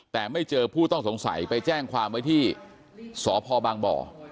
แต่ไม่เจอผู้ต้องสงสัยไปแจ้งความไว้ที่สพบางบ่อ